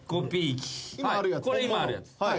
これ今あるやつ。